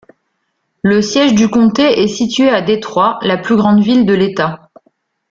Le siège du comté est situé à Détroit, la plus grande ville de l’État.